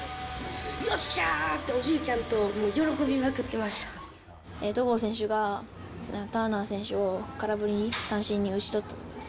よっしゃー！っておじいちゃんと戸郷選手が、ターナー選手を空振り三振に打ち取ったところです。